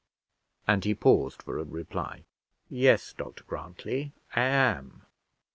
and he paused for a reply. "Yes, Dr Grantly, I am."